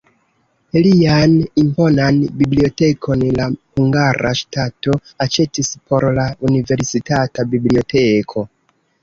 Lian imponan bibliotekon la hungara ŝtato aĉetis por la universitata biblioteko.